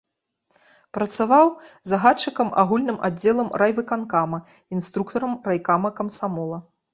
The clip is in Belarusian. Працаваў загадчыкам агульным аддзелам райвыканкама, інструктарам райкама камсамола.